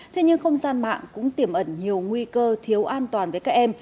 thế nhưng không gian mạng cũng tiềm ẩn nhiều nguy cơ thiếu an toàn với các em